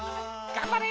「がんばれ。